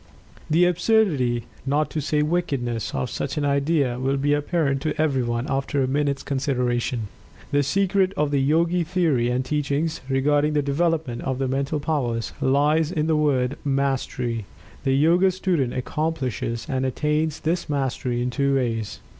The absurdity, not to say wickedness, of such an idea will be apparent to everyone, after a minute's consideration. The secret of the Yogi theory and teachings regarding the development of the Mental powers, lies in the word "Mastery." The Yoga student accomplishes and attains this mastery in two ways.